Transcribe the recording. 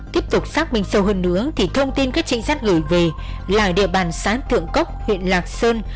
tiếp tục xác minh sâu hơn nữa thì thông tin các trinh sát gửi về là địa bàn sáng thượng cốc huyện lạc sơn